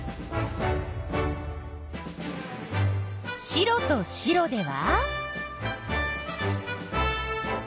白と白では？